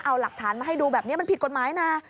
เอาหลักฐานมาให้ดูแบบนี้มันผิดกฎหมายนะ